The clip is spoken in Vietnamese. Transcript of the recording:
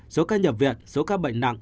số ca nhập viện số ca bệnh nặng